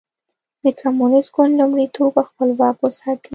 د کمونېست ګوند لومړیتوب خپل واک وساتي.